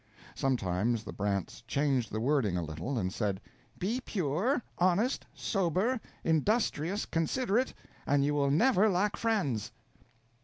Sometimes the Brants changed the wording a little, and said: "Be pure, honest, sober, industrious, considerate, and you will never lack friends."